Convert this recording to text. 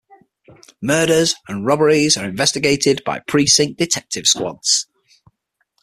Murders and robberies are investigated by precinct detective squads.